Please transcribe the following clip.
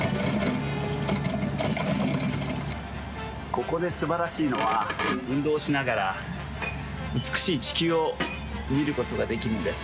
ここですばらしいのは運動しながらうつくしいちきゅうをみることができるんです。